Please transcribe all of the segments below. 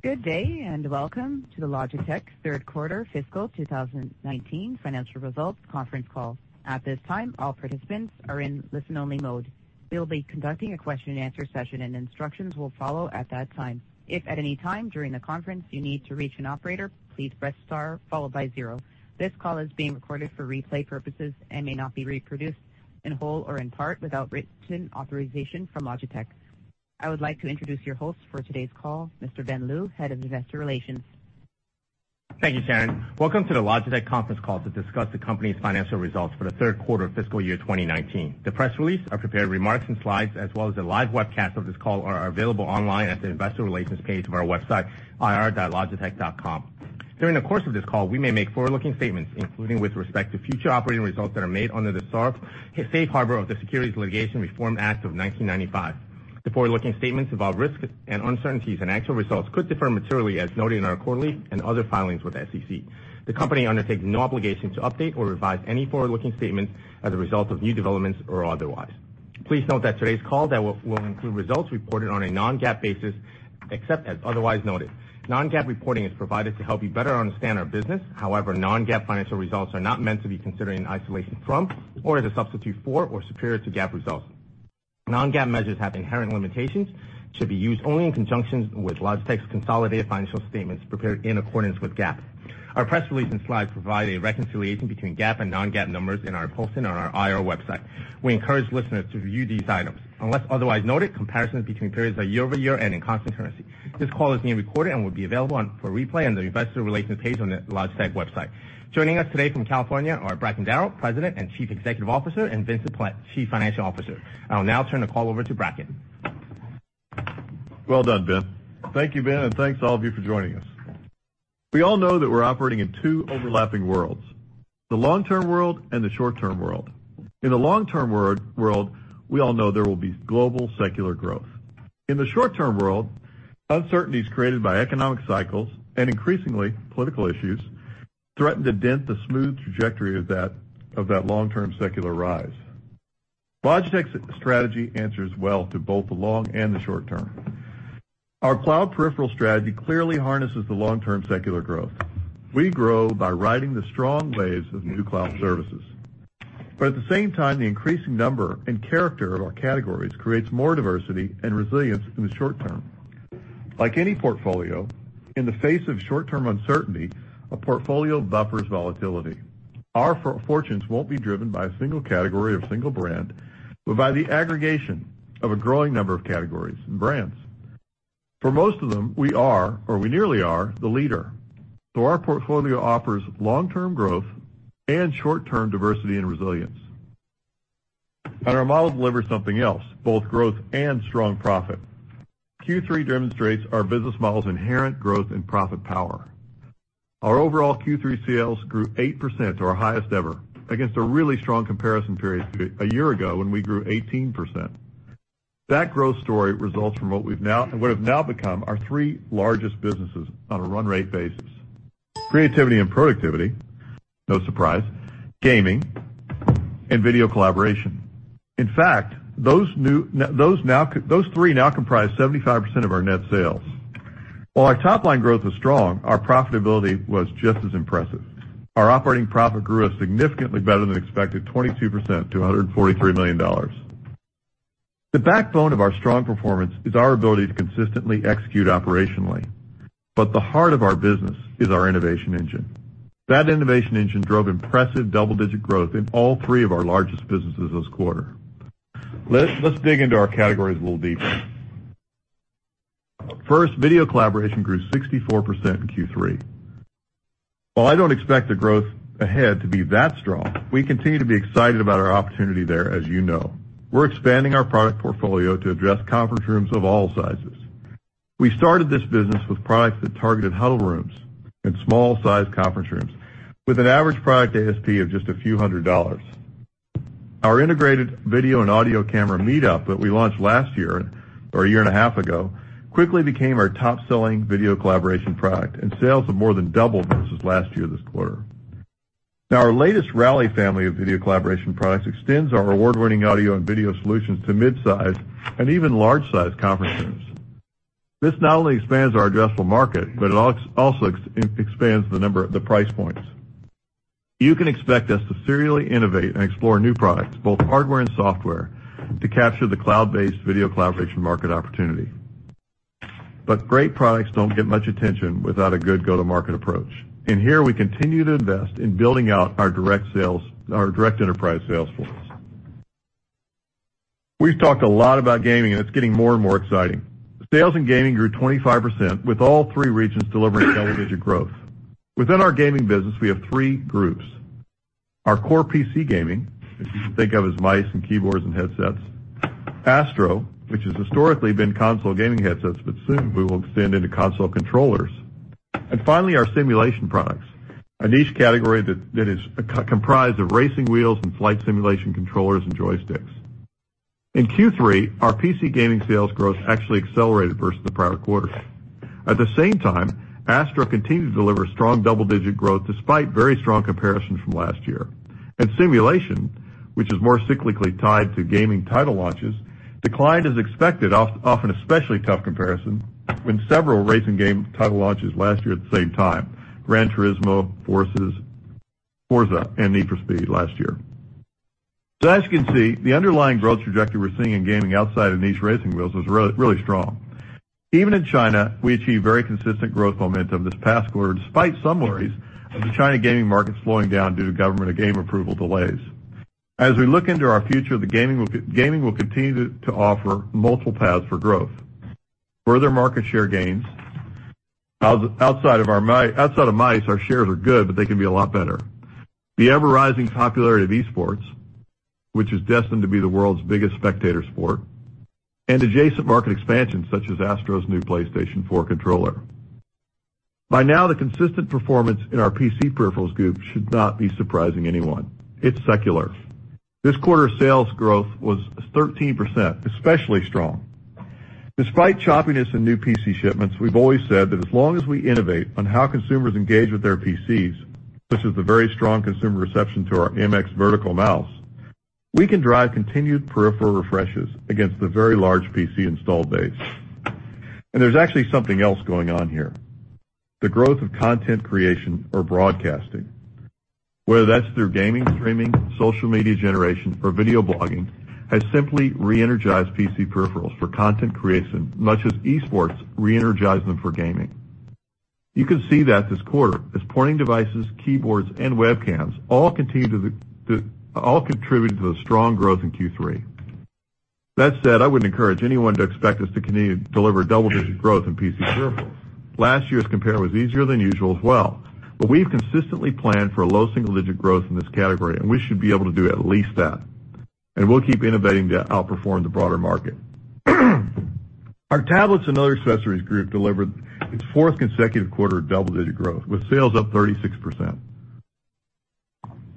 Good day, and welcome to the Logitech third quarter fiscal 2019 financial results conference call. At this time, all participants are in listen-only mode. We'll be conducting a question-and-answer session. Instructions will follow at that time. If at any time during the conference you need to reach an operator, please press star followed by zero. This call is being recorded for replay purposes and may not be reproduced in whole or in part without written authorization from Logitech. I would like to introduce your host for today's call, Mr. Ben Lu, Head of Investor Relations. Thank you, Sharon. Welcome to the Logitech conference call to discuss the company's financial results for the third quarter of fiscal year 2019. The press release, our prepared remarks and slides, as well as the live webcast of this call are available online at the investor relations page of our website, ir.logitech.com. During the course of this call, we may make forward-looking statements, including with respect to future operating results that are made under the safe harbor of the Securities Litigation Reform Act of 1995. The forward-looking statements involve risks and uncertainties. Actual results could differ materially as noted in our quarterly and other filings with the SEC. The company undertakes no obligation to update or revise any forward-looking statements as a result of new developments or otherwise. Please note that today's call will include results reported on a non-GAAP basis, except as otherwise noted. Non-GAAP reporting is provided to help you better understand our business. However, non-GAAP financial results are not meant to be considered in isolation from or as a substitute for or superior to GAAP results. Non-GAAP measures have inherent limitations. They should be used only in conjunction with Logitech's consolidated financial statements prepared in accordance with GAAP. Our press release and slides provide a reconciliation between GAAP and non-GAAP numbers in our posting on our IR website. We encourage listeners to view these items. Unless otherwise noted, comparisons between periods are year-over-year and in constant currency. This call is being recorded and will be available for replay on the investor relations page on the Logitech website. Joining us today from California are Bracken Darrell, President and Chief Executive Officer, and Vincent Pilette, Chief Financial Officer. I will now turn the call over to Bracken. Well done, Ben. Thank you, Ben, and thanks to all of you for joining us. We all know that we're operating in two overlapping worlds, the long-term world and the short-term world. In the long-term world, we all know there will be global secular growth. In the short-term world, uncertainties created by economic cycles and increasingly political issues threaten to dent the smooth trajectory of that long-term secular rise. Logitech's strategy answers well to both the long and the short-term. Our cloud peripheral strategy clearly harnesses the long-term secular growth. We grow by riding the strong waves of new cloud services. At the same time, the increasing number and character of our categories creates more diversity and resilience in the short-term. Like any portfolio, in the face of short-term uncertainty, a portfolio buffers volatility. Our fortunes won't be driven by a single category or single brand, but by the aggregation of a growing number of categories and brands. For most of them, we are or we nearly are the leader, our portfolio offers long-term growth and short-term diversity and resilience. Our model delivers something else, both growth and strong profit. Q3 demonstrates our business model's inherent growth and profit power. Our overall Q3 sales grew 8% to our highest ever against a really strong comparison period a year ago when we grew 18%. That growth story results from what have now become our three largest businesses on a run-rate basis, creativity and productivity, no surprise, gaming, and video collaboration. In fact, those three now comprise 75% of our net sales. While our top-line growth was strong, our profitability was just as impressive. Our operating profit grew a significantly better than expected 22% to $143 million. The backbone of our strong performance is our ability to consistently execute operationally. The heart of our business is our innovation engine. That innovation engine drove impressive double-digit growth in all three of our largest businesses this quarter. Let's dig into our categories a little deeper. First, video collaboration grew 64% in Q3. While I don't expect the growth ahead to be that strong, we continue to be excited about our opportunity there as you know. We're expanding our product portfolio to address conference rooms of all sizes. We started this business with products that targeted huddle rooms and small-sized conference rooms with an average product ASP of just a few hundred dollars. Our integrated video and audio camera MeetUp that we launched last year or a year and a half ago, quickly became our top-selling video collaboration product, and sales have more than doubled versus last year this quarter. Our latest Rally family of video collaboration products extends our award-winning audio and video solutions to mid-size and even large-size conference rooms. This not only expands our addressable market, but it also expands the price points. You can expect us to serially innovate and explore new products, both hardware and software, to capture the cloud-based video collaboration market opportunity. Great products don't get much attention without a good go-to-market approach, and here we continue to invest in building out our direct enterprise sales force. We've talked a lot about gaming, and it's getting more and more exciting. Sales in gaming grew 25%, with all three regions delivering double-digit growth. Within our gaming business, we have three groups, our core PC gaming, which you can think of as mice and keyboards and headsets, ASTRO Gaming, which has historically been console gaming headsets, but soon we will extend into console controllers, and finally, our simulation products, a niche category that is comprised of racing wheels and flight simulation controllers and joysticks. In Q3, our PC gaming sales growth actually accelerated versus the prior quarter. At the same time, ASTRO Gaming continued to deliver strong double-digit growth despite very strong comparisons from last year. Simulation which is more cyclically tied to gaming title launches, declined as expected off an especially tough comparison when several racing game title launches last year at the same time, Gran Turismo, Forza, and Need for Speed last year. As you can see, the underlying growth trajectory we're seeing in gaming outside of niche racing wheels was really strong. Even in China, we achieved very consistent growth momentum this past quarter, despite some worries of the China gaming market slowing down due to government game approval delays. As we look into our future, the gaming will continue to offer multiple paths for growth. Further market share gains. Outside of mice, our shares are good, but they can be a lot better. The ever-rising popularity of esports, which is destined to be the world's biggest spectator sport, and adjacent market expansion, such as ASTRO's new PlayStation 4 controller. By now, the consistent performance in our PC peripherals group should not be surprising anyone. It's secular. This quarter's sales growth was 13%, especially strong. Despite choppiness in new PC shipments, we've always said that as long as we innovate on how consumers engage with their PCs, such as the very strong consumer reception to our MX Vertical mouse, we can drive continued peripheral refreshes against the very large PC installed base. There's actually something else going on here. The growth of content creation or broadcasting, whether that's through gaming, streaming, social media generation, or video blogging, has simply re-energized PC peripherals for content creation, much as esports re-energized them for gaming. You can see that this quarter as pointing devices, keyboards, and webcams all contributed to the strong growth in Q3. That said, I wouldn't encourage anyone to expect us to continue to deliver double-digit growth in PC peripherals. Last year's compare was easier than usual as well, but we've consistently planned for a low single-digit growth in this category, and we should be able to do at least that. We'll keep innovating to outperform the broader market. Our tablets and other accessories group delivered its fourth consecutive quarter of double-digit growth, with sales up 36%.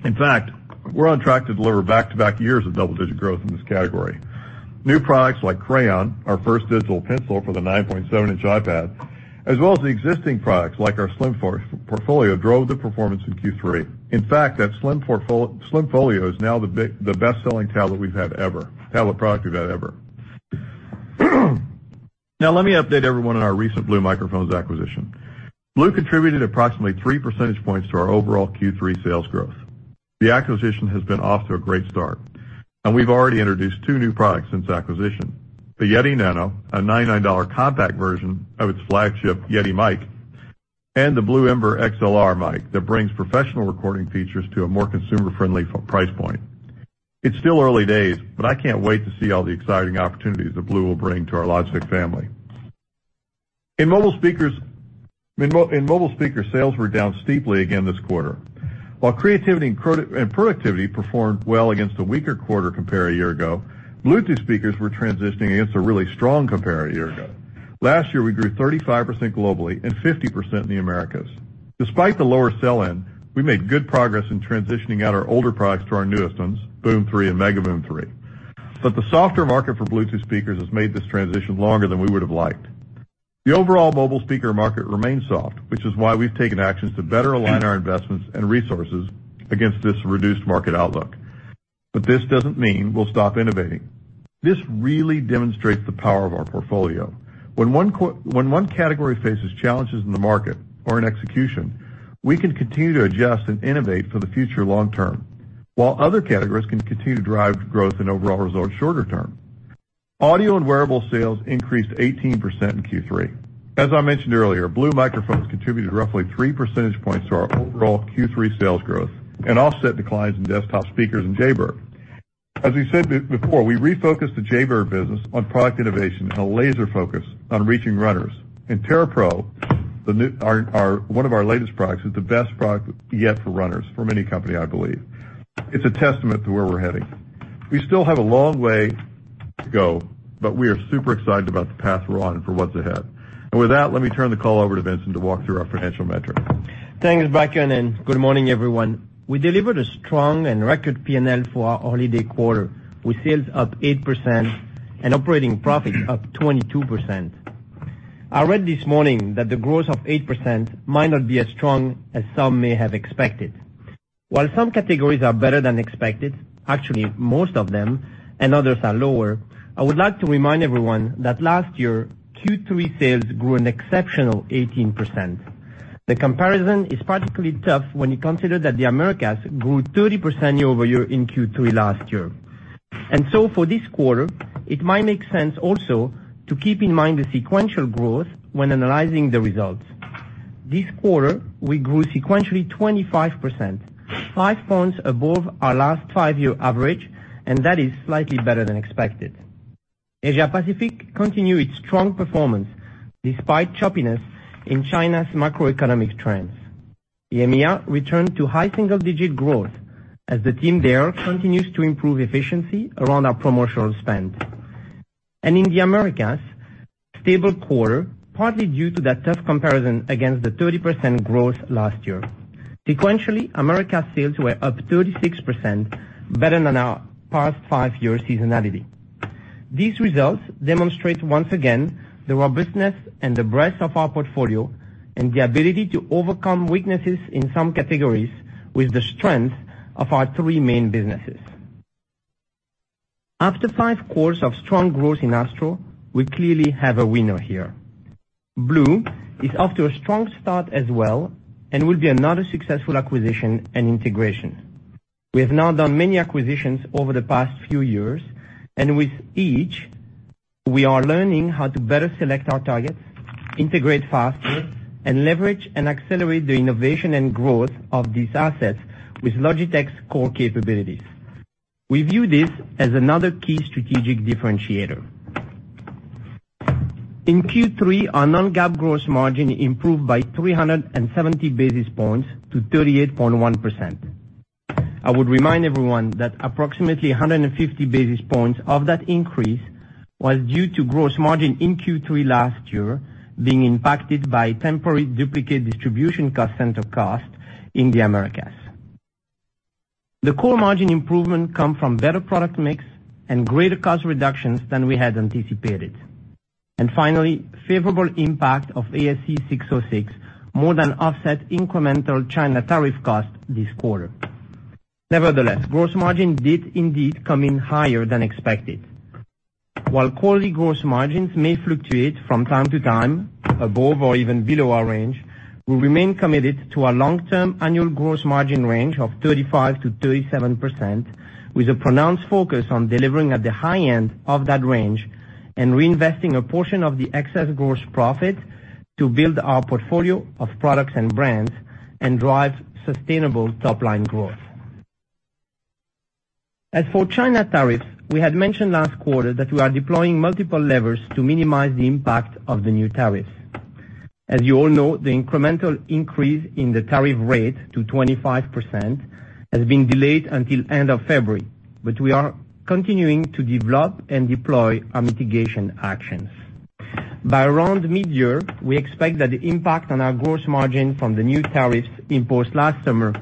In fact, we're on track to deliver back-to-back years of double-digit growth in this category. New products like Crayon, our first digital pencil for the 9.7-inch iPad, as well as the existing products like our Slim Folio, drove the performance in Q3. In fact, that Slim Folio is now the best-selling tablet product we've had ever. Let me update everyone on our recent Blue Microphones acquisition. Blue contributed approximately three percentage points to our overall Q3 sales growth. The acquisition has been off to a great start, and we've already introduced two new products since acquisition. The Yeti Nano, a CHF 99 compact version of its flagship Yeti mic, and the Blue Ember XLR mic that brings professional recording features to a more consumer-friendly price point. It's still early days, but I can't wait to see all the exciting opportunities that Blue will bring to our Logitech family. Mobile speaker sales were down steeply again this quarter. While creativity and productivity performed well against a weaker quarter compare a year ago, Bluetooth speakers were transitioning against a really strong compare a year ago. Last year, we grew 35% globally and 50% in the Americas. Despite the lower sell-in, we made good progress in transitioning out our older products to our newest ones, BOOM 3 and MEGABOOM 3. The softer market for Bluetooth speakers has made this transition longer than we would have liked. The overall mobile speaker market remains soft, which is why we've taken actions to better align our investments and resources against this reduced market outlook. This doesn't mean we'll stop innovating. This really demonstrates the power of our portfolio. When one category faces challenges in the market or in execution, we can continue to adjust and innovate for the future long term, while other categories can continue to drive growth and overall results shorter term. Audio and wearable sales increased 18% in Q3. As I mentioned earlier, Blue Microphones contributed roughly three percentage points to our overall Q3 sales growth and offset declines in desktop speakers and Jaybird. As we said before, we refocused the Jaybird business on product innovation and a laser focus on reaching runners. Tarah Pro, one of our latest products, is the best product yet for runners from any company, I believe. It's a testament to where we're heading. We still have a long way to go, we are super excited about the path we're on and for what's ahead. With that, let me turn the call over to Vincent to walk through our financial metrics. Thanks, Bracken, and good morning, everyone. We delivered a strong and record P&L for our holiday quarter, with sales up 8% and operating profit up 22%. I read this morning that the growth of 8% might not be as strong as some may have expected. While some categories are better than expected, actually most of them, and others are lower, I would like to remind everyone that last year, Q3 sales grew an exceptional 18%. The comparison is particularly tough when you consider that the Americas grew 30% year-over-year in Q3 last year. For this quarter, it might make sense also to keep in mind the sequential growth when analyzing the results. This quarter, we grew sequentially 25%, five points above our last 5-year average, and that is slightly better than expected. Asia-Pacific continued its strong performance despite choppiness in China's macroeconomic trends. EMEA returned to high single-digit growth as the team there continues to improve efficiency around our promotional spend. In the Americas, stable quarter partly due to that tough comparison against the 30% growth last year. Sequentially, Americas sales were up 36%, better than our past 5-year seasonality. These results demonstrate once again the robustness and the breadth of our portfolio and the ability to overcome weaknesses in some categories with the strength of our three main businesses. After five quarters of strong growth in Astro, we clearly have a winner here. Blue is off to a strong start as well and will be another successful acquisition and integration. We have now done many acquisitions over the past few years, and with each, we are learning how to better select our targets, integrate faster, and leverage and accelerate the innovation and growth of these assets with Logitech's core capabilities. We view this as another key strategic differentiator. In Q3, our non-GAAP gross margin improved by 370 basis points to 38.1%. I would remind everyone that approximately 150 basis points of that increase was due to gross margin in Q3 last year being impacted by temporary duplicate distribution cost center cost in the Americas. The core margin improvement come from better product mix and greater cost reductions than we had anticipated. Finally, favorable impact of ASC 606 more than offset incremental China tariff cost this quarter. Nevertheless, gross margin did indeed come in higher than expected. While quarterly gross margins may fluctuate from time to time above or even below our range, we remain committed to our long-term annual gross margin range of 35%-37%, with a pronounced focus on delivering at the high end of that range and reinvesting a portion of the excess gross profit to build our portfolio of products and brands and drive sustainable top-line growth. As for China tariffs, we had mentioned last quarter that we are deploying multiple levers to minimize the impact of the new tariffs. As you all know, the incremental increase in the tariff rate to 25% has been delayed until end of February, but we are continuing to develop and deploy our mitigation actions. By around mid-year, we expect that the impact on our gross margin from the new tariffs imposed last summer,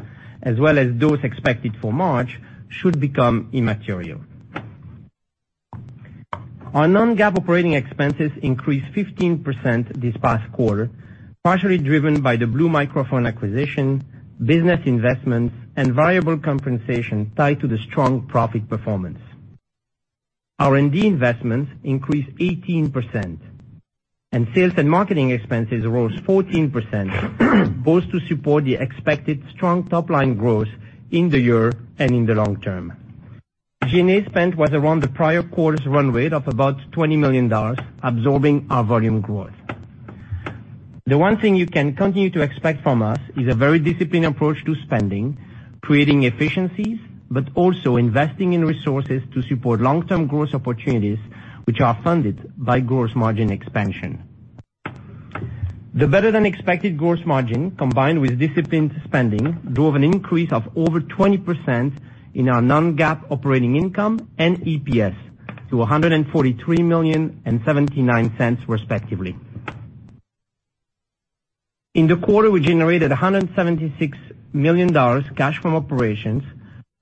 as well as those expected for March, should become immaterial. Our non-GAAP operating expenses increased 15% this past quarter, partially driven by the Blue Microphones acquisition, business investments, and variable compensation tied to the strong profit performance. R&D investments increased 18%, and sales and marketing expenses rose 14%, both to support the expected strong top-line growth in the year and in the long term. G&A spent was around the prior quarter's run rate of about $20 million, absorbing our volume growth. The one thing you can continue to expect from us is a very disciplined approach to spending, creating efficiencies, but also investing in resources to support long-term growth opportunities, which are funded by gross margin expansion. The better-than-expected gross margin, combined with disciplined spending, drove an increase of over 20% in our non-GAAP operating income and EPS to $143 million and $0.79, respectively. In the quarter, we generated CHF 176 million cash from operations,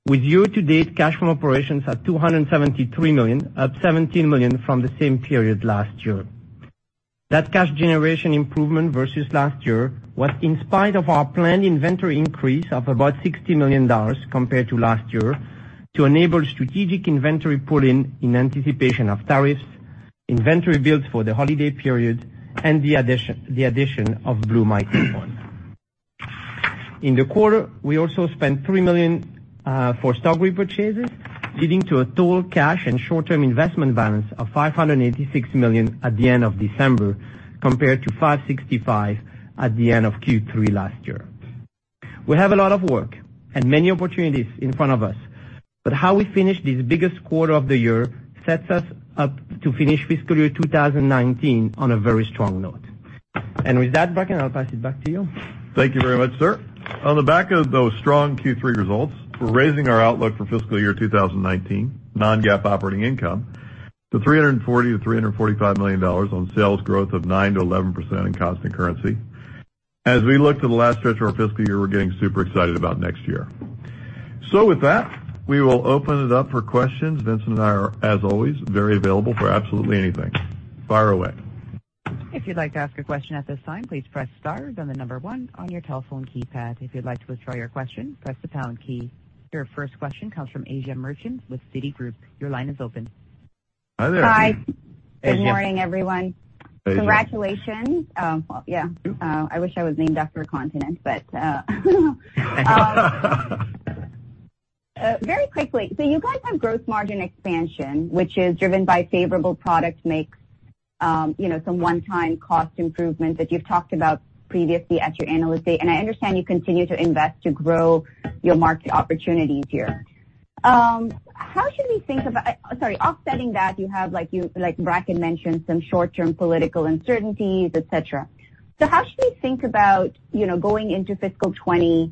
with year-to-date cash from operations at 273 million, up 17 million from the same period last year. That cash generation improvement versus last year was in spite of our planned inventory increase of about CHF 60 million compared to last year to enable strategic inventory pull in anticipation of tariffs, inventory builds for the holiday period, and the addition of Blue Microphones. In the quarter, we also spent 3 million for stock repurchases, leading to a total cash and short-term investment balance of 586 million at the end of December, compared to 565 million at the end of Q3 last year. We have a lot of work and many opportunities in front of us, but how we finish this biggest quarter of the year sets us up to finish fiscal year 2019 on a very strong note. With that, Bracken, I'll pass it back to you. Thank you very much, sir. On the back of those strong Q3 results, we're raising our outlook for fiscal year 2019 non-GAAP operating income to CHF 340 million-CHF 345 million on sales growth of 9%-11% in constant currency. We look to the last stretch of our fiscal year, we're getting super excited about next year. With that, we will open it up for questions. Vincent and I are, as always, very available for absolutely anything. Fire away. If you'd like to ask a question at this time, please press star then the number 1 on your telephone keypad. If you'd like to withdraw your question, press the pound key. Your first question comes from Asiya Merchant with Citigroup. Your line is open. Hi there, Asiya. Hi. Good morning, everyone. Asiya. Congratulations. Well, yeah. I wish I was named after a continent. Very quickly, you guys have gross margin expansion, which is driven by favorable product mix, some one-time cost improvements that you've talked about previously at your Analyst Day, and I understand you continue to invest to grow your market opportunities here. How should we think about-- Sorry. Offsetting that, you have, like Bracken mentioned, some short-term political uncertainties, et cetera. How should we think about going into fiscal 2020,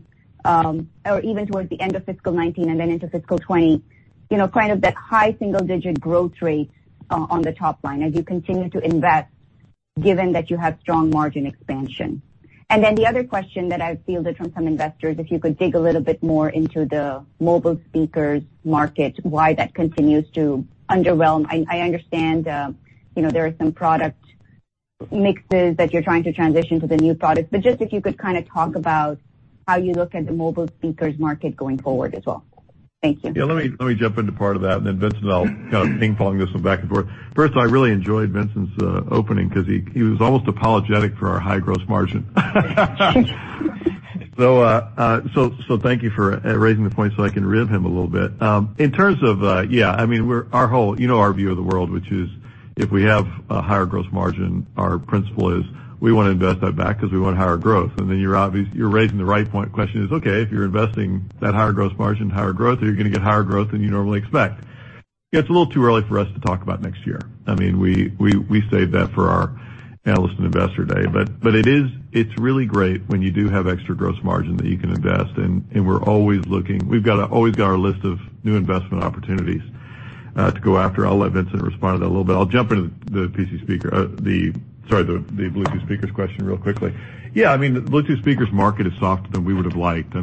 or even towards the end of fiscal 2019 and then into fiscal 2020, kind of that high single-digit growth rate, on the top line as you continue to invest? Given that you have strong margin expansion. The other question that I've fielded from some investors, if you could dig a little bit more into the mobile speakers market, why that continues to underwhelm. I understand there are some product mixes that you're trying to transition to the new products. Just if you could kind of talk about how you look at the mobile speakers market going forward as well. Thank you. Let me jump into part of that. Vincent and I will kind of ping pong this one back and forth. First, I really enjoyed Vincent's opening because he was almost apologetic for our high gross margin. Thank you for raising the point so I can rib him a little bit. You know our view of the world, which is if we have a higher gross margin, our principle is we want to invest that back because we want higher growth. You're raising the right point. Question is, okay, if you're investing that higher gross margin, higher growth, are you going to get higher growth than you normally expect? It's a little too early for us to talk about next year. We save that for our analyst and investor day. It's really great when you do have extra gross margin that you can invest and we're always looking. We've always got our list of new investment opportunities to go after. I'll let Vincent respond to that a little bit. I'll jump into the Bluetooth speakers question real quickly. Yeah, Bluetooth speakers market is softer than we would have liked.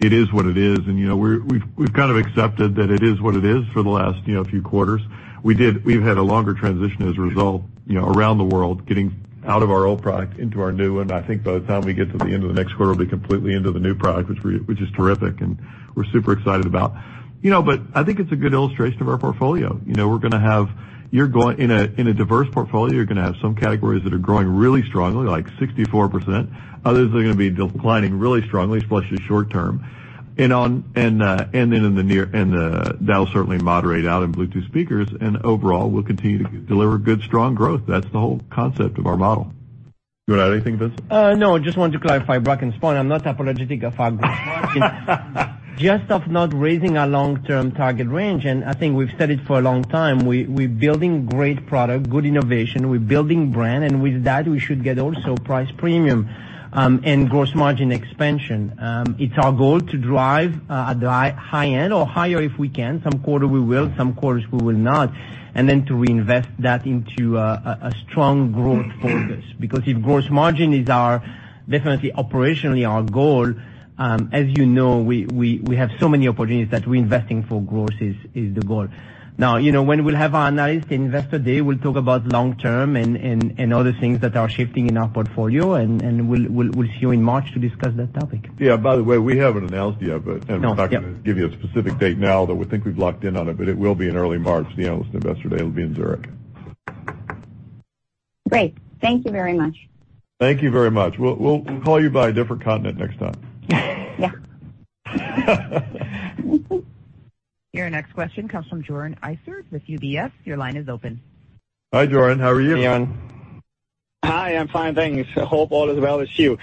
It is what it is and we've kind of accepted that it is what it is for the last few quarters. We've had a longer transition as a result around the world, getting out of our old product into our new one. I think by the time we get to the end of the next quarter, we'll be completely into the new product, which is terrific and we're super excited about. I think it's a good illustration of our portfolio. In a diverse portfolio, you're going to have some categories that are growing really strongly, like 64%. Others are going to be declining really strongly, especially short term. That'll certainly moderate out in Bluetooth speakers and overall, we'll continue to deliver good, strong growth. That's the whole concept of our model. You want to add anything, Vincent? No, just wanted to clarify, Bracken, sorry, I'm not apologetic of our growth, just of not raising our long-term target range. I think we've said it for a long time. We're building great product, good innovation, we're building brand. With that, we should get also price premium and gross margin expansion. It's our goal to drive at the high end or higher if we can. Some quarter we will, some quarters we will not. Then to reinvest that into a strong growth focus. If gross margin is definitely operationally our goal, as you know, we have so many opportunities that reinvesting for growth is the goal. When we'll have our analyst investor day, we'll talk about long term and other things that are shifting in our portfolio. We'll see you in March to discuss that topic. Yeah. By the way, we haven't announced yet. No. Yep I'm not going to give you a specific date now, though we think we've locked in on it, but it will be in early March, the analyst investor day. It'll be in Zurich. Great. Thank you very much. Thank you very much. We'll call you by a different continent next time. Yeah. Your next question comes from Joern Iffert with UBS. Your line is open. Hi, Joern. How are you? Joern. Hi. I'm fine, thanks. Hope all is well with you.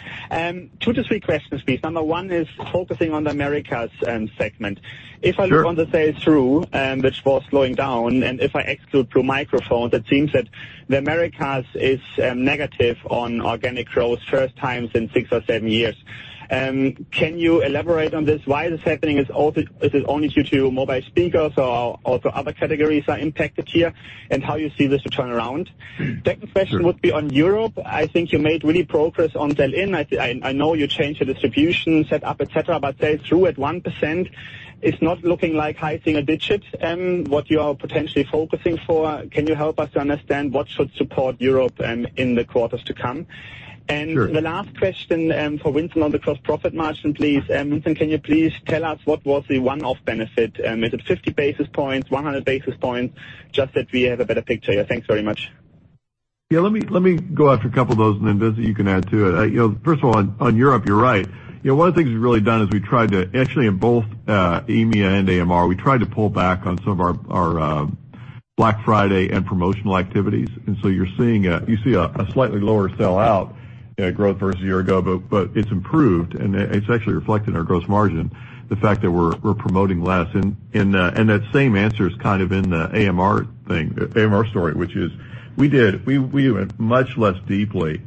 Two to three questions, please. Number one is focusing on the Americas segment. Sure. If I look on the sell-through, which was slowing down, and if I exclude Blue Microphones, it seems that the Americas is negative on organic growth, first time in six or seven years. Can you elaborate on this? Why this happening? Is it only due to mobile speakers or also other categories are impacted here, and how you see this to turn around? Sure. Second question would be on Europe. I think you made really progress on sell-in. I know you changed the distribution set up, et cetera, but sell-through at 1% is not looking like high single digits and what you are potentially focusing for. Can you help us to understand what should support Europe in the quarters to come? Sure. The last question for Vincent on the gross profit margin, please. Vincent, can you please tell us what was the one-off benefit? Is it 50 basis points, 100 basis points? Just that we have a better picture. Yeah. Thanks very much. Yeah, let me go after a couple of those and then Vincent you can add to it. First of all, on Europe, you're right. One of the things we've really done is we tried to, actually, in both EMEA and AMER, we tried to pull back on some of our Black Friday and promotional activities. You see a slightly lower sell-out growth versus a year ago, but it's improved, and it's actually reflected in our gross margin, the fact that we're promoting less. That same answer is kind of in the AMER story, which is we went much less deeply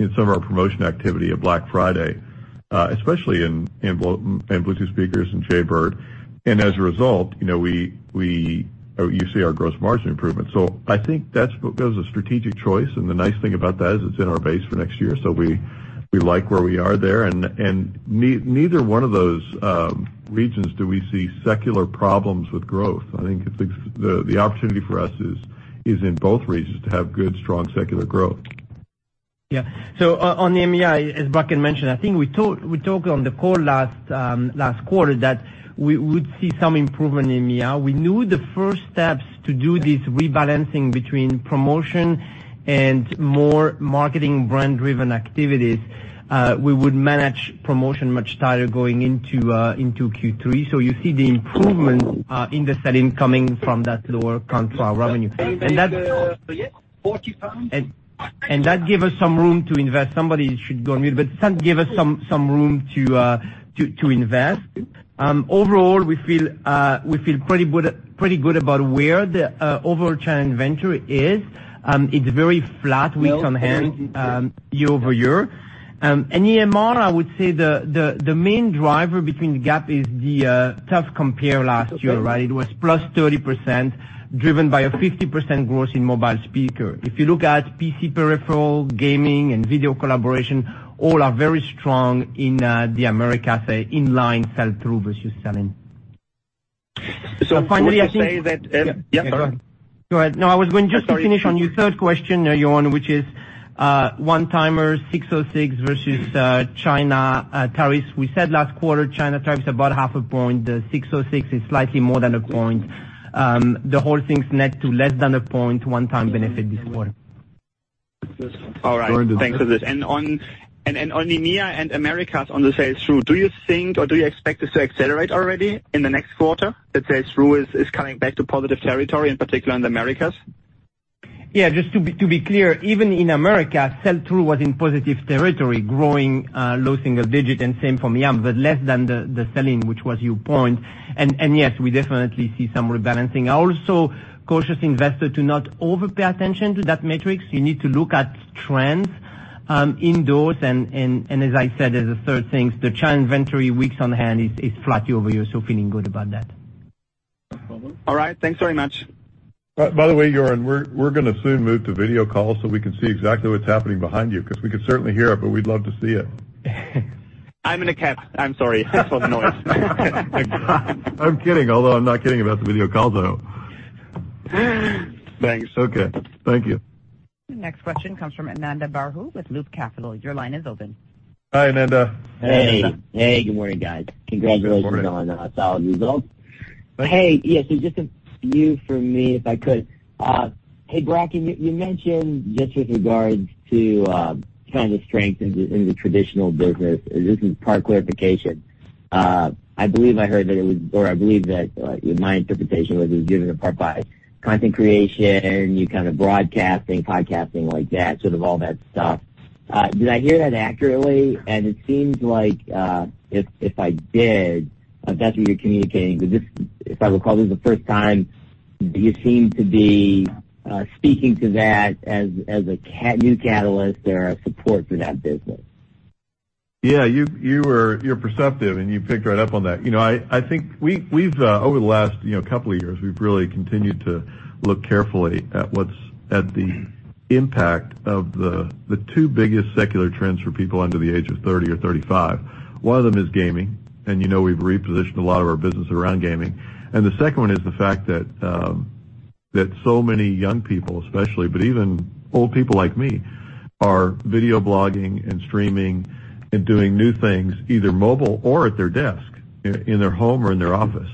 in some of our promotion activity at Black Friday, especially in Bluetooth speakers and Jaybird. As a result, you see our gross margin improvement. I think that was a strategic choice, and the nice thing about that is it's in our base for next year, so we like where we are there. Neither one of those regions do we see secular problems with growth. I think the opportunity for us is in both regions to have good, strong, secular growth. On the EMEA, as Bracken mentioned, I think we talked on the call last quarter that we would see some improvement in EMEA. We knew the first steps to do this rebalancing between promotion and more marketing brand-driven activities. We would manage promotion much tighter going into Q3. You see the improvement in the sell-in coming from that lower contractual revenue. That gave us some room to invest. Somebody should go on mute, but that gave us some room to invest. Overall, we feel pretty good about where the overall channel inventory is. It's very flat week-on-hand year-over-year. EMEA, I would say the main driver between the gap is the tough compare last year, right? It was +30% driven by a 50% growth in mobile speaker. If you look at PC peripheral, gaming, and video collaboration, all are very strong in the Americas, inline sell-through versus sell-in. Finally, I think- I would say that- Yeah, go ahead. No, I was going just to finish on your third question, Joern, which is one-timers, 606 versus China Tariffs. We said last quarter, China Tariffs about half a point. 606 is slightly more than a point. The whole thing's net to less than a 0.1-time benefit this quarter. All right. Thanks for this. On EMEA and Americas on the sales through, do you think or do you expect this to accelerate already in the next quarter, that sales through is coming back to positive territory, in particular in the Americas? Yeah. Just to be clear, even in America, sell-through was in positive territory, growing low single digit and same for EMEA, but less than the sell-in, which was your point. Yes, we definitely see some rebalancing. Also, cautious investor to not over pay attention to that metric. You need to look at trends indoors and as I said, as a third thing, the channel inventory weeks on hand is flat year-over-year, so feeling good about that. All right. Thanks very much. By the way, Joern, we're going to soon move to video call so we can see exactly what's happening behind you, because we can certainly hear it, but we'd love to see it. I'm in a cab. I'm sorry for the noise. I'm kidding. Although I'm not kidding about the video call, though. Thanks. Okay. Thank you. The next question comes from Ananda Baruah with Loop Capital. Your line is open. Hi, Ananda. Hey. Good morning, guys. Congratulations on a solid result. Hey, yeah, just a view from me, if I could. Hey, Brock, you mentioned just with regards to kind of the strength in the traditional business, this is part clarification. I believe I heard that it was, or I believe that my interpretation was it was driven in part by content creation, you kind of broadcasting, podcasting, like that, sort of all that stuff. Did I hear that accurately? It seems like if I did, if that's what you're communicating, because if I recall, this is the first time you seem to be speaking to that as a new catalyst or a support for that business. Yeah, you're perceptive, and you picked right up on that. I think over the last couple of years, we've really continued to look carefully at the impact of the two biggest secular trends for people under the age of 30 or 35. One of them is gaming, and you know we've repositioned a lot of our business around gaming. The second one is the fact that so many young people especially, but even old people like me, are video blogging and streaming and doing new things, either mobile or at their desk, in their home or in their office.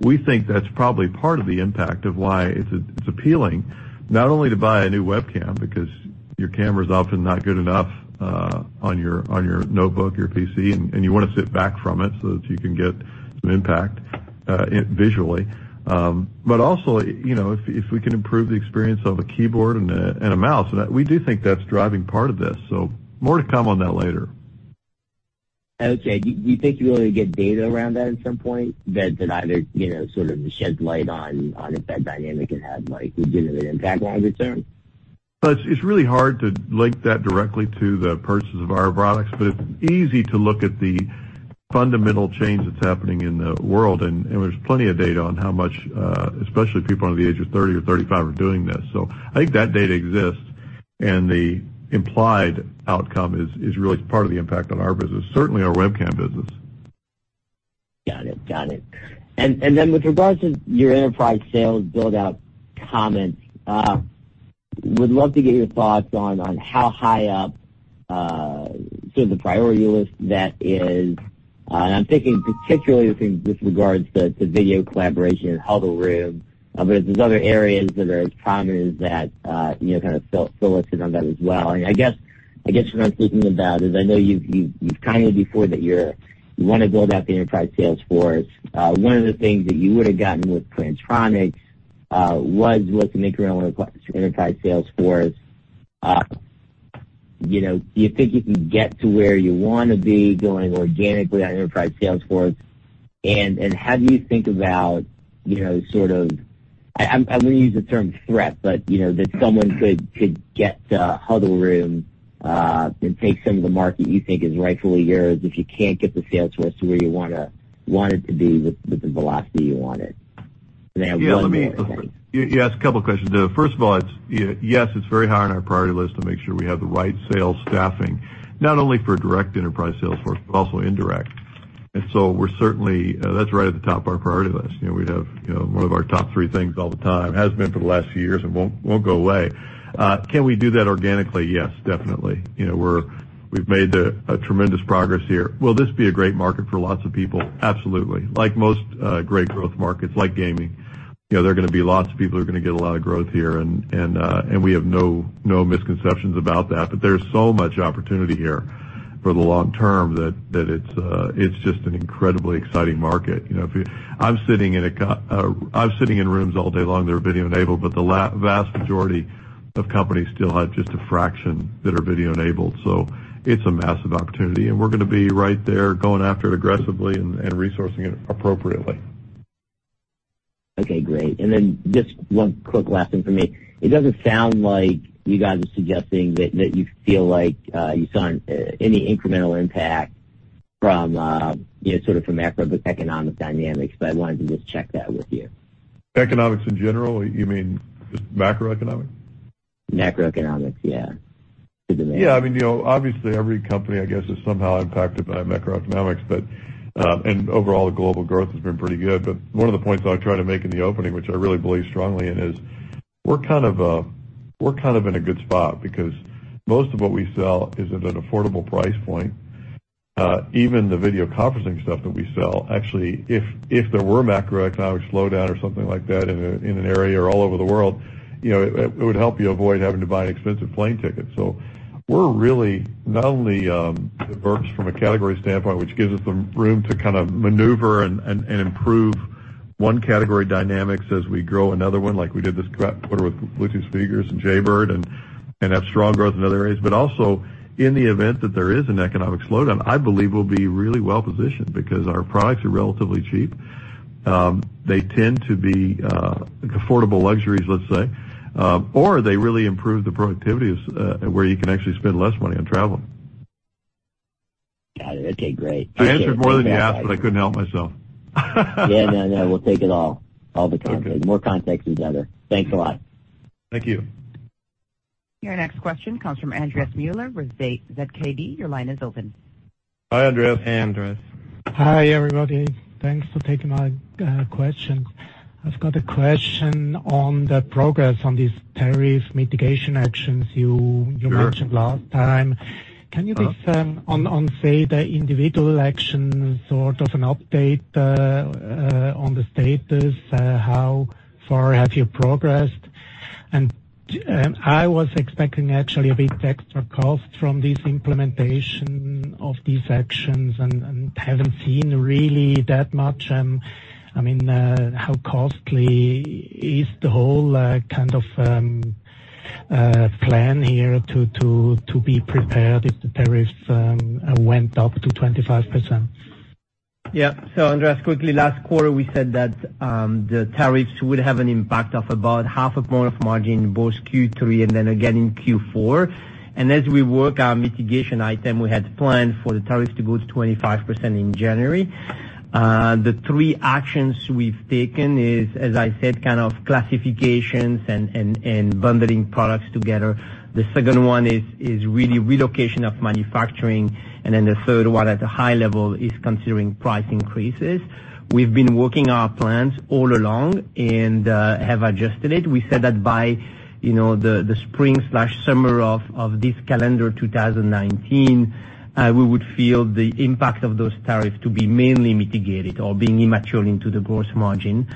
We think that's probably part of the impact of why it's appealing, not only to buy a new webcam, because your camera's often not good enough on your notebook, your PC, and you want to sit back from it so that you can get some impact visually. Also, if we can improve the experience of a keyboard and a mouse, we do think that's driving part of this. More to come on that later. Okay. Do you think you will be able to get data around that at some point that either sort of sheds light on if that dynamic can have legitimate impact longer term? It's really hard to link that directly to the purchase of our products, but it's easy to look at the fundamental change that's happening in the world, and there's plenty of data on how much, especially people under the age of 30 or 35 are doing this. I think that data exists, and the implied outcome is really part of the impact on our business, certainly our webcam business. Got it. With regards to your enterprise sales build-out comments, would love to get your thoughts on how high up the priority list that is. I'm thinking particularly with regards to video collaboration and huddle room, but if there's other areas that are as prominent that kind of solicited on that as well. I guess what I'm thinking about is I know you've kind of before that you want to build out the enterprise sales force. One of the things that you would have gotten with Plantronics was what's an equivalent enterprise sales force. Do you think you can get to where you want to be going organically on enterprise sales force? How do you think about sort of, I'm going to use the term threat, but that someone could get to huddle room, and take some of the market you think is rightfully yours if you can't get the sales force to where you want it to be with the velocity you want it. One more thing. Yeah, you asked a couple questions there. First of all, yes, it's very high on our priority list to make sure we have the right sales staffing, not only for direct enterprise sales force, but also indirect. That's right at the top of our priority list. We have one of our top 3 things all the time, has been for the last few years and won't go away. Can we do that organically? Yes, definitely. We've made a tremendous progress here. Will this be a great market for lots of people? Absolutely. Like most great growth markets like gaming, there are going to be lots of people who are going to get a lot of growth here, and we have no misconceptions about that. There's so much opportunity here for the long term that it's just an incredibly exciting market. I'm sitting in rooms all day long that are video enabled, but the vast majority of companies still have just a fraction that are video enabled. It's a massive opportunity, and we're going to be right there going after it aggressively and resourcing it appropriately. Okay, great. Just one quick last thing from me. It doesn't sound like you guys are suggesting that you feel like you saw any incremental impact from sort of macroeconomic dynamics, but I wanted to just check that with you. Economics in general? You mean just macroeconomic? Macroeconomics, yeah. Yeah. Obviously, every company, I guess, is somehow impacted by macroeconomics, and overall the global growth has been pretty good. One of the points I tried to make in the opening, which I really believe strongly in, is we're kind of in a good spot because most of what we sell is at an affordable price point. Even the video conferencing stuff that we sell, actually, if there were a macroeconomic slowdown or something like that in an area or all over the world, it would help you avoid having to buy an expensive plane ticket. We're really not only diverse from a category standpoint, which gives us some room to kind of maneuver and improve one category dynamic as we grow another one, like we did this quarter with Bluetooth Speakers and Jaybird, and have strong growth in other areas. Also, in the event that there is an economic slowdown, I believe we'll be really well-positioned because our products are relatively cheap. They tend to be affordable luxuries, let's say, or they really improve the productivity of where you can actually spend less money on travel. Got it. Okay, great. I answered more than you asked, but I couldn't help myself. Yeah. No, we'll take it all. All the context. Okay. More context is better. Thanks a lot. Thank you. Your next question comes from Andreas Müller with ZKB. Your line is open. Hi, Andreas. Hey, Andreas. Hi, everybody. Thanks for taking my question. I've got a question on the progress on these tariff mitigation actions. Sure mentioned last time. Can you just, on, say, the individual actions, sort of an update on the status, how far have you progressed? I was expecting actually a bit extra cost from this implementation of these actions and haven't seen really that much. How costly is the whole kind of plan here to be prepared if the tariffs went up to 25%? Yeah. Andreas, quickly, last quarter, we said that the tariffs would have an impact of about half a point of margin in both Q3 and then again in Q4. As we work our mitigation item, we had planned for the tariffs to go to 25% in January. The three actions we've taken is, as I said, kind of classifications and bundling products together. The second one is really relocation of manufacturing, and then the third one at a high level is considering price increases. We've been working our plans all along and have adjusted it. We said that by the spring/summer of this calendar 2019, we would feel the impact of those tariffs to be mainly mitigated or being immaterial into the gross margin.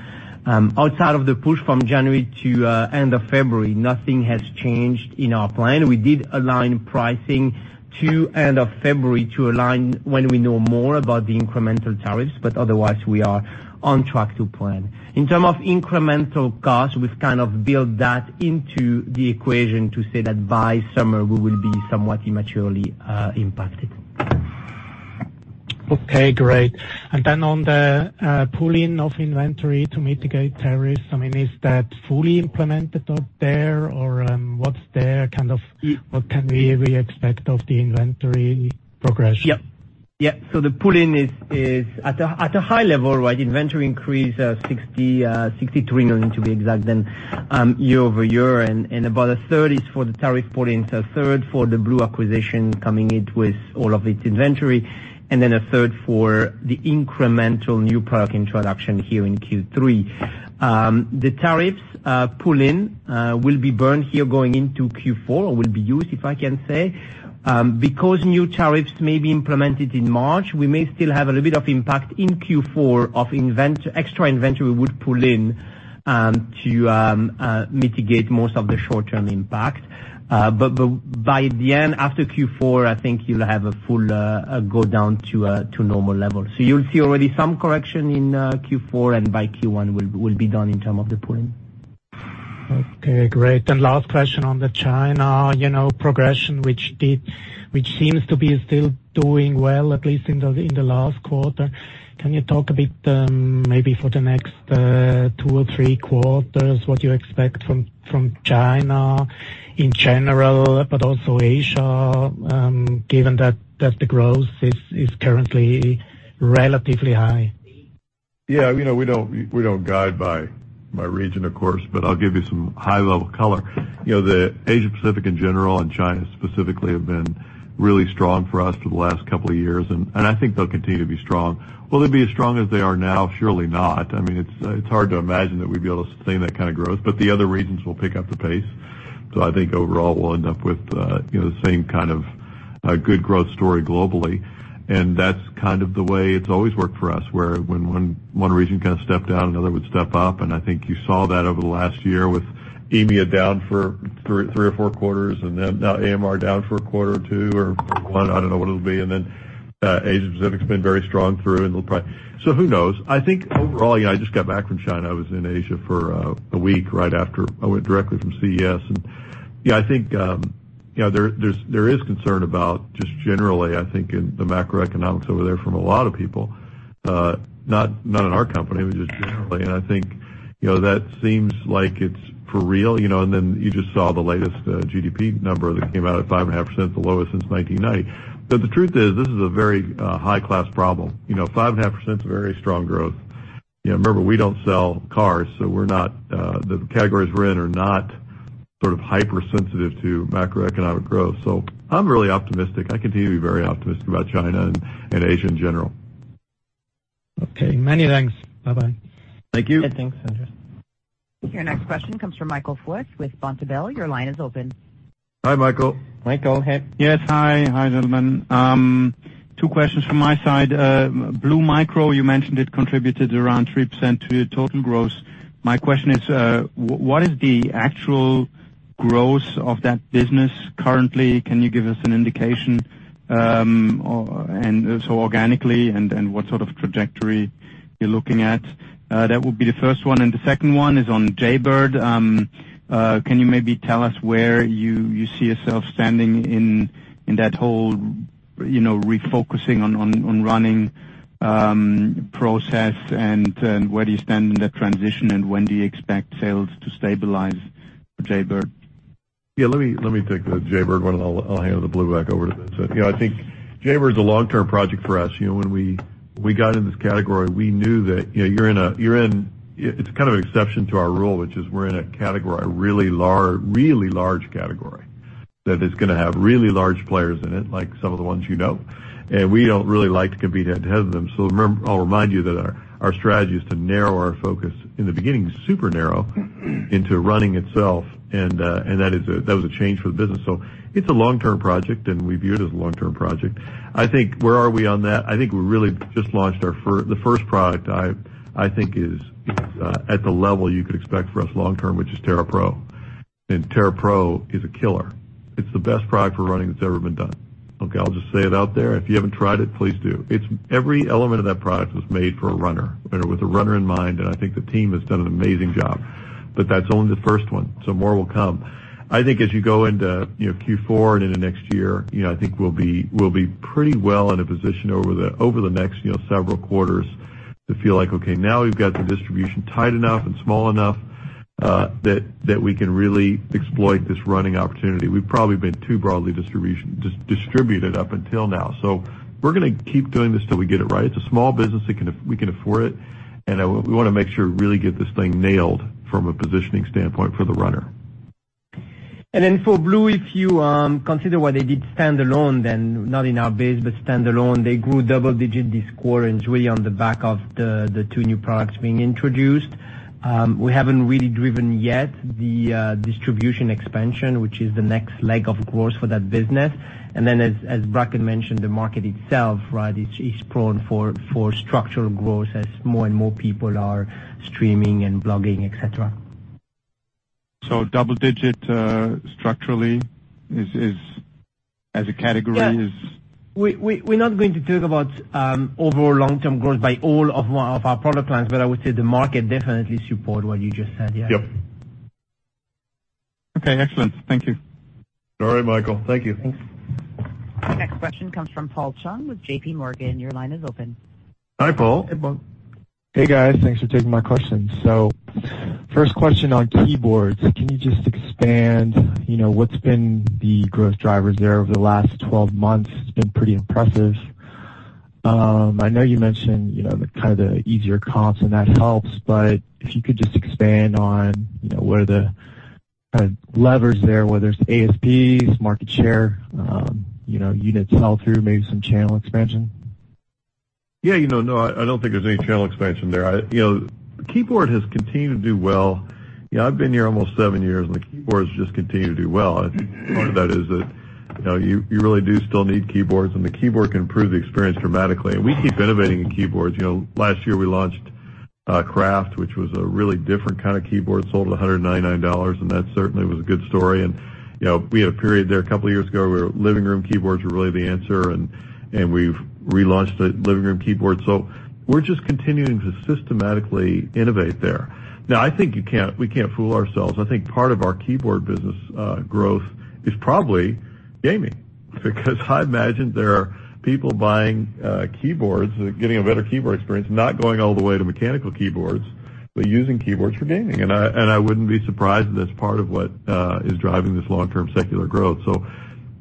Outside of the push from January to end of February, nothing has changed in our plan. We did align pricing to end of February to align when we know more about the incremental tariffs, otherwise, we are on track to plan. In terms of incremental cost, we've kind of built that into the equation to say that by summer we will be somewhat immaterially impacted. Okay, great. Then on the pull-in of inventory to mitigate tariffs, is that fully implemented out there? What can we expect of the inventory progression? Yep. The pull-in is at a high level, right? Inventory increase 63 million to be exact year-over-year, about a third is for the tariff pull-in, a third for the Blue acquisition coming in with all of its inventory, and then a third for the incremental new product introduction here in Q3. The tariffs pull-in will be burned here going into Q4 or will be used, if I can say. Because new tariffs may be implemented in March, we may still have a little bit of impact in Q4 of extra inventory we would pull in to mitigate most of the short-term impact. By the end, after Q4, I think you'll have a full go down to normal levels. You'll see already some correction in Q4, and by Q1 we'll be done in term of the pull-in. Okay, great. Last question on the China progression, which seems to be still doing well, at least in the last quarter. Can you talk a bit, maybe for the next two or three quarters, what you expect from China in general, but also Asia, given that the growth is currently relatively high? Yeah. We don't guide by region, of course, I'll give you some high-level color. The Asia-Pacific in general and China specifically have been really strong for us for the last couple of years, I think they'll continue to be strong. Will they be as strong as they are now? Surely not. It's hard to imagine that we'd be able to sustain that kind of growth, the other regions will pick up the pace. I think overall, we'll end up with the same kind of good growth story globally, that's kind of the way it's always worked for us, where when one region kind of stepped down, another would step up. I think you saw that over the last year with EMEA down for three or four quarters, now AMER down for a quarter or two, or one, I don't know what it'll be. Asia-Pacific's been very strong through. Who knows? I think overall, I just got back from China. I was in Asia for a week right after. I went directly from CES. Yeah, I think there is concern about just generally, I think in the macroeconomics over there from a lot of people. Not in our company, but just generally. I think that seems like it's for real. You just saw the latest GDP number that came out at 5.5%, the lowest since 1990. The truth is, this is a very high-class problem. 5.5% is very strong growth. Remember, we don't sell cars, the categories we're in are not sort of hypersensitive to macroeconomic growth. I'm really optimistic. I continue to be very optimistic about China and Asia in general. Okay, many thanks. Bye-bye. Thank you. Many thanks, Andreas. Your next question comes from Michael Foeth with Vontobel. Your line is open. Hi, Michael. Michael, hey. Yes. Hi, gentlemen. two questions from my side. Blue Micro, you mentioned it contributed around three% to your total growth. My question is, what is the actual growth of that business currently? Can you give us an indication? Organically and what sort of trajectory you're looking at? That would be the first one and the second one is on Jaybird. Can you maybe tell us where you see yourself standing in that whole refocusing on running process and where do you stand in that transition, and when do you expect sales to stabilize for Jaybird? Let me take the Jaybird one, and I'll hand the Blue back over to Vincent. I think Jaybird's a long-term project for us. When we got in this category, we knew that it's kind of an exception to our rule, which is we're in a category, a really large category, that is going to have really large players in it, like some of the ones you know, and we don't really like to compete head-to-head with them. I'll remind you that our strategy is to narrow our focus. In the beginning, super narrow into running itself, and that was a change for the business. It's a long-term project, and we view it as a long-term project. I think where are we on that? I think we really just launched the first product I think is at the level you could expect from us long term, which is Tarah Pro, and Tarah Pro is a killer. It's the best product for running that's ever been done. Okay? I'll just say it out there. If you haven't tried it, please do. Every element of that product was made for a runner and it was with a runner in mind, I think the team has done an amazing job, but that's only the first one, more will come. As you go into Q4 and into next year, I think we'll be pretty well in a position over the next several quarters to feel like, okay, now we've got the distribution tight enough and small enough that we can really exploit this running opportunity. We've probably been too broadly distributed up until now. We're going to keep doing this till we get it right. It's a small business. We can afford it, and we want to make sure we really get this thing nailed from a positioning standpoint for the runner. For Blue, if you consider what they did standalone, not in our base, but standalone, they grew double digits this quarter, it's really on the back of the two new products being introduced. We haven't really driven yet the distribution expansion, which is the next leg of growth for that business. As Bracken mentioned, the market itself, is prone for structural growth as more and more people are streaming and blogging, et cetera. Double-digit structurally as a category is We're not going to talk about overall long-term growth by all of our product lines, but I would say the market definitely supports what you just said. Yeah. Yep. Okay, excellent. Thank you. All right, Michael, thank you. Thanks. Your next question comes from Paul Chung with JPMorgan. Your line is open. Hi, Paul. Hey, Paul. Hey, guys. Thanks for taking my questions. First question on keyboards. Can you just expand what's been the growth drivers there over the last 12 months? It's been pretty impressive. I know you mentioned the kind of easier comps and that helps, but if you could just expand on what are the kind of levers there, whether it's ASPs, market share, units sell through, maybe some channel expansion. Yeah. No, I don't think there's any channel expansion there. Keyboard has continued to do well. I've been here almost seven years, the keyboards just continue to do well, and part of that is that you really do still need keyboards and the keyboard can improve the experience dramatically. We keep innovating in keyboards. Last year we launched Craft, which was a really different kind of keyboard, sold at $199, that certainly was a good story. We had a period there a couple of years ago where living room keyboards were really the answer, and we've relaunched the living room keyboard. We're just continuing to systematically innovate there. Now, I think we can't fool ourselves. I think part of our keyboard business growth is probably gaming, because I imagine there are people buying keyboards, getting a better keyboard experience, not going all the way to mechanical keyboards, but using keyboards for gaming. I wouldn't be surprised if that's part of what is driving this long-term secular growth.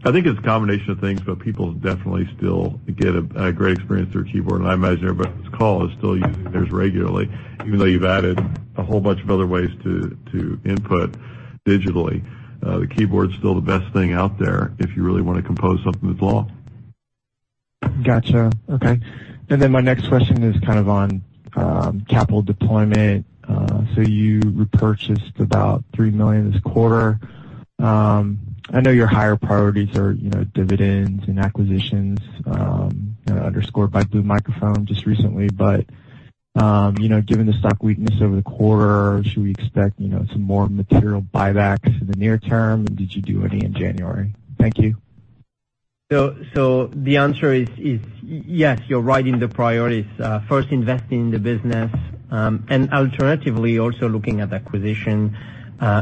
I think it's a combination of things, but people definitely still get a great experience through a keyboard. I imagine everybody on this call is still using theirs regularly, even though you've added a whole bunch of other ways to input digitally. The keyboard's still the best thing out there if you really want to compose something that's long. Got you. Okay. My next question is kind of on capital deployment. You repurchased about 3 million this quarter. I know your higher priorities are dividends and acquisitions underscored by Blue Microphones just recently. Given the stock weakness over the quarter, should we expect some more material buybacks in the near term? Did you do any in January? Thank you. The answer is yes, you're right in the priorities. First, investing in the business. Alternatively, also looking at acquisition,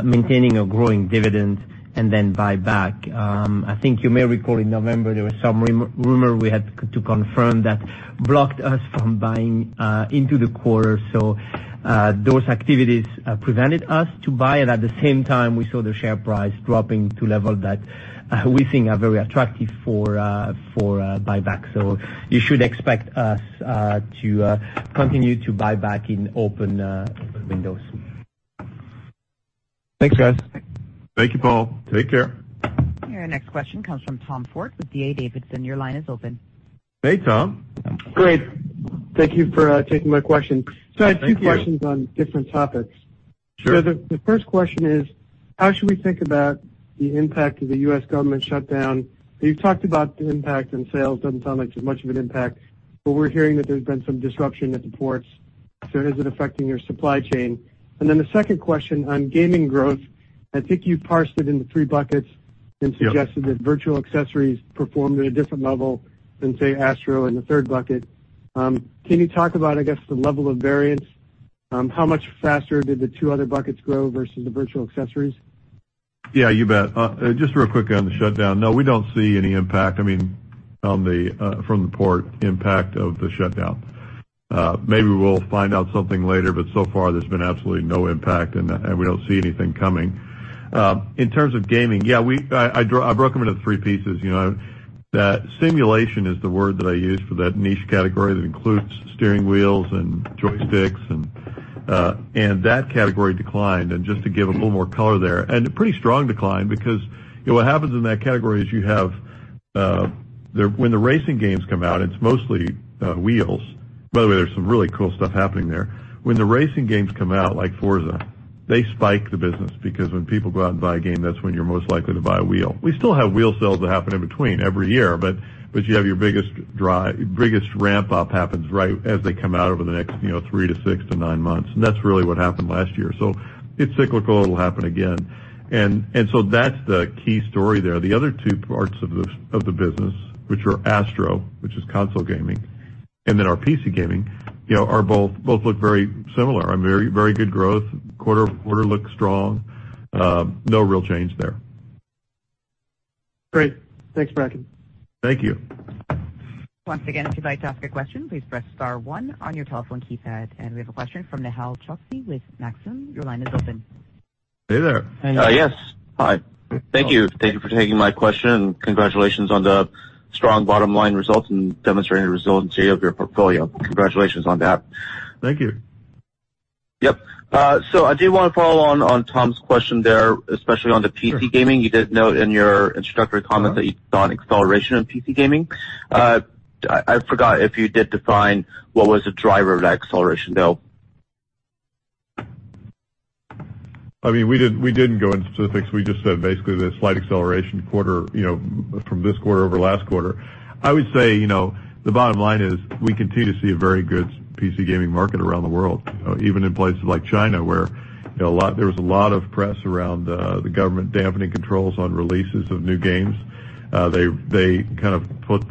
maintaining a growing dividend and then buyback. I think you may recall in November there was some rumor we had to confirm that blocked us from buying into the quarter. Those activities prevented us to buy it. At the same time, we saw the share price dropping to a level that we think are very attractive for buyback. You should expect us to continue to buy back in open windows. Thanks, guys. Thank you, Paul. Take care. Your next question comes from Tom Forte with D.A. Davidson. Your line is open. Hey, Tom. Great. Thank you for taking my question. Thank you. I have two questions on different topics. Sure. The first question is, how should we think about the impact of the U.S. government shutdown? You've talked about the impact on sales, doesn't sound like it's much of an impact, but we're hearing that there's been some disruption at the ports, is it affecting your supply chain? The second question on gaming growth, I think you parsed it into three buckets and suggested- Yep That virtual accessories performed at a different level than, say, ASTRO Gaming in the third bucket. Can you talk about, I guess, the level of variance? How much faster did the two other buckets grow versus the virtual accessories? Yeah, you bet. Just real quick on the shutdown. We don't see any impact from the port impact of the shutdown. Maybe we'll find out something later. So far there's been absolutely no impact. We don't see anything coming. In terms of gaming, yeah, I broke them into three pieces. Simulation is the word that I use for that niche category that includes steering wheels and joysticks. That category declined. Just to give a little more color there, and a pretty strong decline, because what happens in that category is you have, when the racing games come out, it's mostly wheels. By the way, there's some really cool stuff happening there. When the racing games come out, like Forza, they spike the business because when people go out and buy a game, that's when you're most likely to buy a wheel. We still have wheel sales that happen in between every year. You have your biggest ramp-up happens right as they come out over the next three to six to nine months. That's really what happened last year. It's cyclical. It'll happen again. That's the key story there. The other two parts of the business, which are ASTRO Gaming, which is console gaming, and then our PC gaming, both look very similar. Very good growth. Quarter-over-quarter looks strong. No real change there. Great. Thanks, Bracken. Thank you. Once again, if you'd like to ask a question, please press star one on your telephone keypad. We have a question from Nehal Chokshi with Maxim. Your line is open. Hey there. Hey, Nehal. Yes. Hi. Thank you. Thank you for taking my question. Congratulations on the strong bottom-line results and demonstrating the resiliency of your portfolio. Congratulations on that. Thank you. Yep. I do want to follow on Tom's question there, especially on the PC gaming. You did note in your introductory comments that you saw an acceleration in PC gaming. I forgot if you did define what was the driver of that acceleration, though. We didn't go into specifics. We just said basically the slight acceleration from this quarter over last quarter. I would say, the bottom line is we continue to see a very good PC gaming market around the world, even in places like China, where there was a lot of press around the government dampening controls on releases of new games. They kind of pulled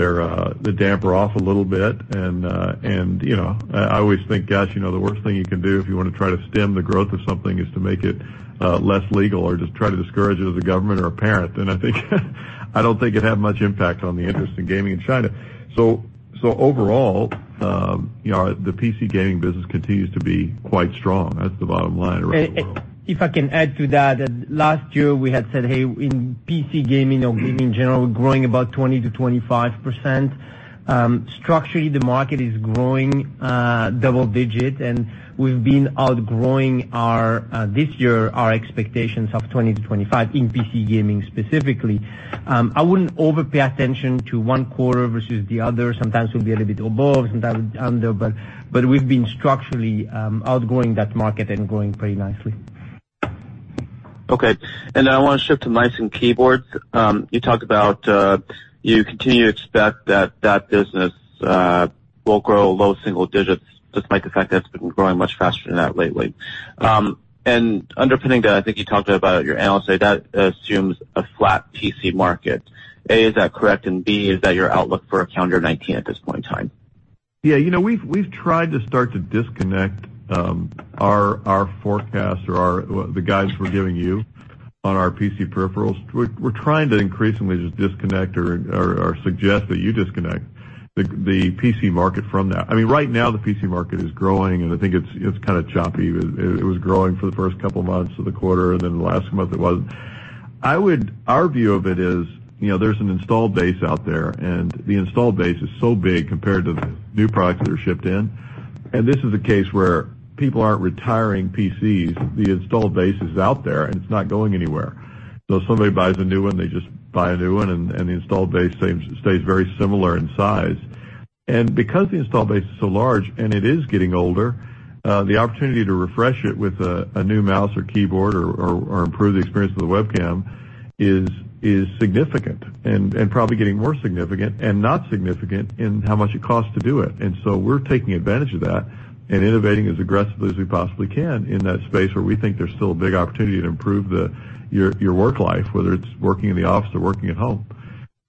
the damper off a little bit. I always think, gosh, the worst thing you can do if you want to try to stem the growth of something is to make it less legal or just try to discourage it as a government or a parent, then I don't think it had much impact on the interest in gaming in China. Overall, the PC gaming business continues to be quite strong. That's the bottom line around the world. If I can add to that, last year we had said, hey, in PC gaming or gaming in general, we're growing about 20% to 25%. Structurally, the market is growing double digit, and we've been outgrowing, this year, our expectations of 20%-25% in PC gaming specifically. I wouldn't over pay attention to one quarter versus the other. Sometimes we'll be a little bit above, sometimes under, but we've been structurally outgrowing that market and growing pretty nicely. Okay. Now I want to shift to mice and keyboards. You talked about you continue to expect that that business will grow low single digits, despite the fact that it's been growing much faster than that lately. Underpinning that, I think you talked about your analysts say that assumes a flat PC market. A, is that correct, and B, is that your outlook for calendar 2019 at this point in time? Yeah, we've tried to start to disconnect our forecast or the guidance we're giving you on our PC peripherals. We're trying to increasingly just disconnect or suggest that you disconnect the PC market from that. Right now the PC market is growing, I think it's kind of choppy. It was growing for the first couple of months of the quarter, then the last month it wasn't. Our view of it is, there's an installed base out there, the installed base is so big compared to the new products that are shipped in. This is a case where people aren't retiring PCs. The installed base is out there, it's not going anywhere. If somebody buys a new one, they just buy a new one, the installed base stays very similar in size. Because the installed base is so large and it is getting older, the opportunity to refresh it with a new mouse or keyboard or improve the experience with a webcam is significant and probably getting more significant and not significant in how much it costs to do it. We're taking advantage of that and innovating as aggressively as we possibly can in that space where we think there's still a big opportunity to improve your work life, whether it's working in the office or working at home.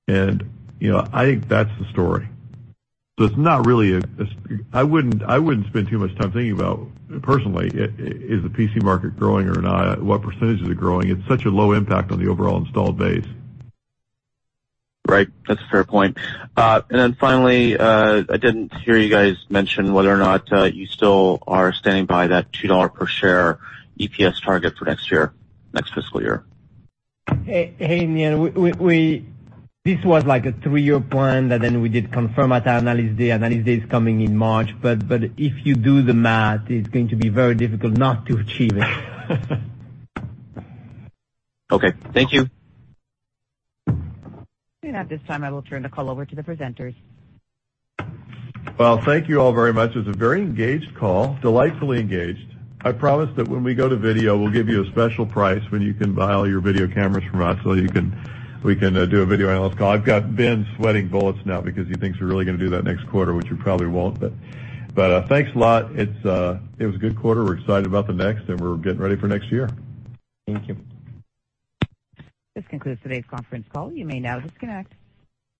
I think that's the story. I wouldn't spend too much time thinking about, personally, is the PC market growing or not? What percentage is it growing? It's such a low impact on the overall installed base. Right. That's a fair point. Finally, I didn't hear you guys mention whether or not you still are standing by that $2 per share EPS target for next year, next fiscal year. Hey, Nehal. This was like a three-year plan, we did confirm at our Analyst Day. Analyst Day is coming in March. If you do the math, it's going to be very difficult not to achieve it. Okay. Thank you. At this time, I will turn the call over to the presenters. Well, thank you all very much. It was a very engaged call, delightfully engaged. I promise that when we go to video, we'll give you a special price when you can buy all your video cameras from us so we can do a video analyst call. I've got Ben sweating bullets now because he thinks we're really going to do that next quarter, which we probably won't. Thanks a lot. It was a good quarter. We're excited about the next, and we're getting ready for next year. Thank you. This concludes today's conference call. You may now disconnect.